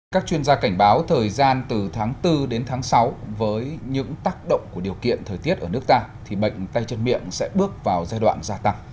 các chuyên gia cảnh báo thời gian từ tháng bốn đến tháng sáu với những tác động của điều kiện thời tiết ở nước ta thì bệnh tay chân miệng sẽ bước vào giai đoạn gia tăng